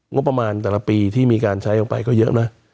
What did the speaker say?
งบประมาณแต่ละปีที่มีการใช้ออกไปก็เยอะนะ